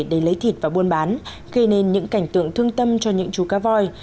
để lấy thịt và buôn bán gây nên những cảnh tượng thương tâm cho những chú cá voi